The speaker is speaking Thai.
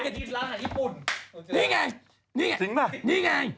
นี่ไงนี่ไง